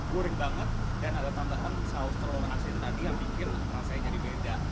gurih banget dan ada tambahan saus telur asin tadi yang bikin rasanya jadi beda